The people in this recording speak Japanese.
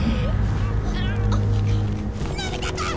のび太くん！